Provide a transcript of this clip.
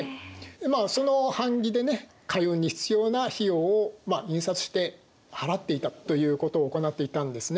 まあその版木でね海運に必要な費用を印刷して払っていたということを行っていたんですね。